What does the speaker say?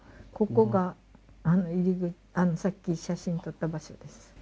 ここがさっき写真撮った場所です。